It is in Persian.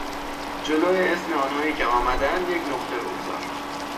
جلو اسم آنهایی که آمدهاند یک نقطه بگذار.